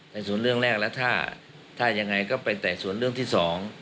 ในส่วนเรื่องแรกแล้วถ้ายังไงก็ไปไต่สวนเรื่องที่สอง